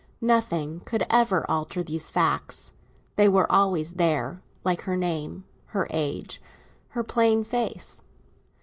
Nothing could ever alter these facts; they were always there, like her name, her age, her plain face.